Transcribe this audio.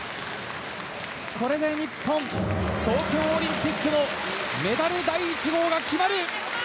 これで日本、東京オリンピックのメダル第１号が決まる。